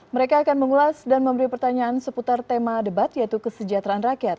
mereka akan mengulas dan memberi pertanyaan seputar tema debat yaitu kesejahteraan rakyat